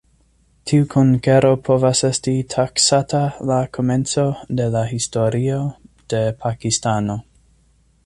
Tiu konkero povas esti taksata la komenco de la historio de Pakistano.